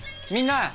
みんな！